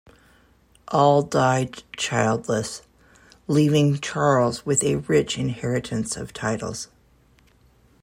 All died childless, leaving Charles with a rich inheritance of titles.